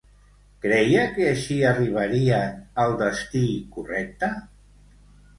Creia que així arribarien al destí correcte?